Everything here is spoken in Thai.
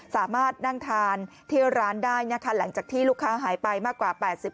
สามารถนั่งทานที่ร้านได้นะคะหลังจากที่ลูกค้าหายไปมากกว่า๘๐